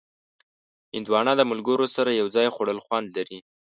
هندوانه د ملګرو سره یو ځای خوړل خوند لري.